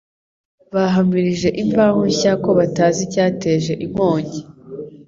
bahamirije Imvaho Nshya ko batazi icyateje inkongi